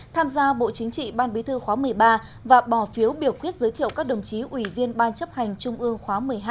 tham gia bộ chính trị ban bí thư khóa một mươi ba và bỏ phiếu biểu quyết giới thiệu các đồng chí ủy viên ban chấp hành trung ương khóa một mươi hai